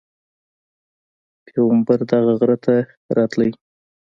پیغمبر دغه غره ته راتللو.